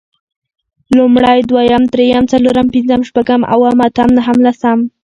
لومړی، دويم، درېيم، څلورم، پنځم، شپږم، اووم، اتم، نهم، لسم